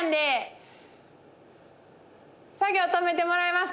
作業止めてもらえますか？